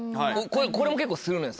これも結構するのよ